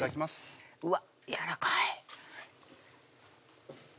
うわっやらかい